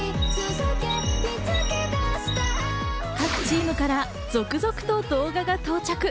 各チームから続々、動画が到着。